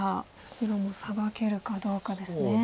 白もサバけるかどうかですね。